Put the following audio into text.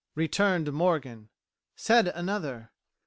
Returned Morgan. Said Another.